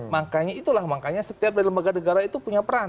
makanya itulah makanya setiap dari lembaga negara itu punya peran